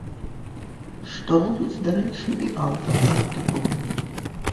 Што робіць, дарэчы, і аўтар артыкулу.